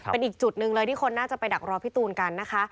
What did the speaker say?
เป็นอีกจุดหนึ่งเลยที่คนน่าจะไปดักรอพี่ตูนกันนะคะ